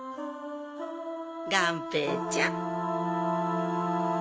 がんぺーちゃん。